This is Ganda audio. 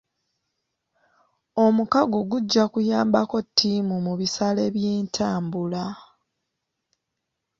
Omukago gujja kuyambako ttiimu mu bisale by'entambula.